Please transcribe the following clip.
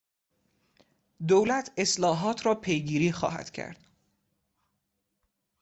دولت اصلاحات را پیگیری خواهد کرد.